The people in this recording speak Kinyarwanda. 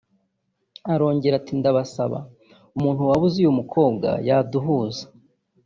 Arongera ati “Ndabasabye umuntu waba uzi uyu mukobwa yaduhuza